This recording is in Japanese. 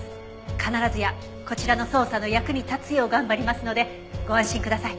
必ずやこちらの捜査の役に立つよう頑張りますのでご安心ください。